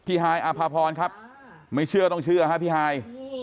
ฮายอาภาพรครับไม่เชื่อต้องเชื่อฮะพี่ฮาย